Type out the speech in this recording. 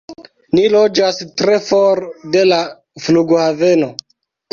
Ni loĝas tre for de la flughaveno